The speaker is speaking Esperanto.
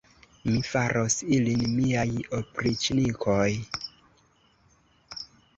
Mi faros ilin miaj opriĉnikoj!